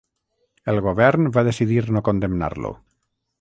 El govern va decidir no condemnar-lo.